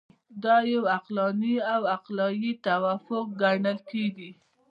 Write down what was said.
دا یو عقلاني او عقلایي توافق ګڼل کیږي.